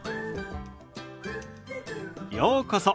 ようこそ。